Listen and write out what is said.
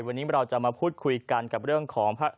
วันนี้เราจะมาพูดคุยกันกับเรื่องของ